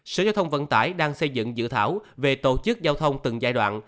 sở giao thông vận tải đang xây dựng dự thảo về tổ chức giao thông từng giai đoạn